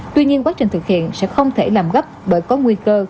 tuy nhiên quá trình thực hiện sẽ không thể làm gấp bởi có nguy cơ